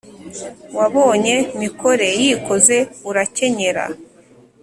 wabonye mikore yikoze urakenyera,